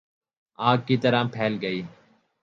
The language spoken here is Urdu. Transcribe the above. آگ کی طرح پھیل گئی